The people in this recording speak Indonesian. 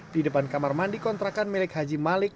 di depan kamar mandi kontrakan milik haji malik